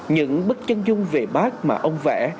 những bức chân dung về bác mà ông vẽ